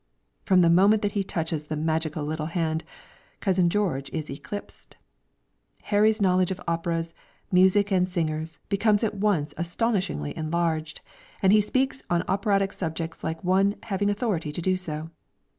From the moment that he touches the magical little hand, cousin George is eclipsed. Harry's knowledge of operas, music and singers, becomes at once astonishingly enlarged, and he speaks on operatic subjects like one having authority to do so.